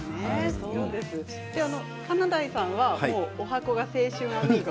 華大さんはおはこが「青春アミーゴ」。